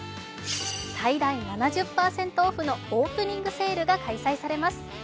最大７０％オフのオープニングセールが開催されます。